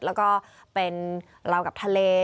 แล้วก็เป็นเรากับทะเล